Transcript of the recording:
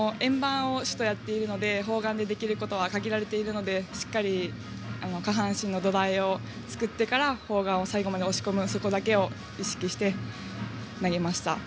砲丸でできることは限られているので、しっかり下半身の土台を作ってから砲丸を最後まで押し込むそこだけを意識して投げました。